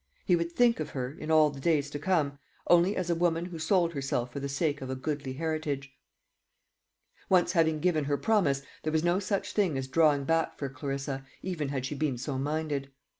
He would think of her, in all the days to come, only as a woman who sold herself for the sake of a goodly heritage. Once having given her promise, there was no such thing as drawing back for Clarissa, even had she been so minded.